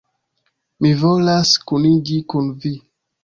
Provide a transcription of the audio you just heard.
Mi volas kuniĝi kun vi!